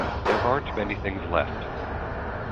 There aren't many things left.